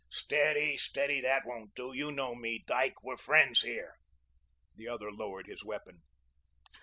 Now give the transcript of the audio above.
"Steady, steady. That won't do. You know me, Dyke. We're friends here." The other lowered his weapon.